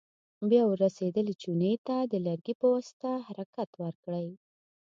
بیا ور رسېدلې چونې ته د لرګي په واسطه حرکت ورکړئ.